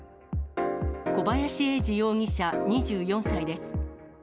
小林詠二容疑者２４歳です。